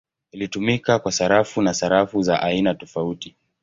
Ilitumika kwa sarafu na sarafu za aina tofauti.